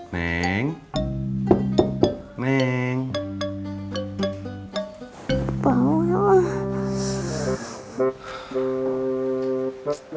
buka pintunya pep